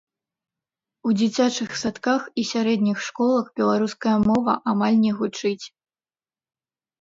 У дзіцячых садках і сярэдніх школах беларуская мова амаль не гучыць.